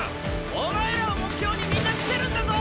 お前らを目標にみんな来てるんだぞ！